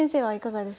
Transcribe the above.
はい。